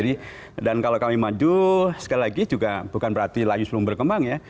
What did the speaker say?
dan kalau kami maju sekali lagi juga bukan berarti layu sebelum berkembang ya